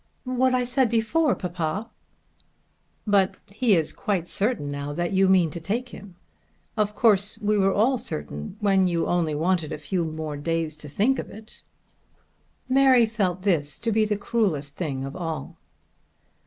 "What I said before, papa." "But he is quite certain now that you mean to take him. Of course we were all certain when you only wanted a few more days to think of it." Mary felt this to be the cruellest thing of all.